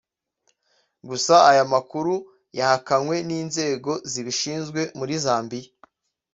gusa aya makuru yahakanywe n’inzego zibishinzwe muri Zambia